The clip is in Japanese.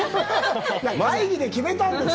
会議で決めたんですよ